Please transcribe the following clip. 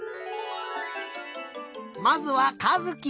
まずはかずき。